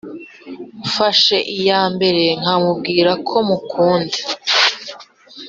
mfashe iyambere nkamubwira ko mukunda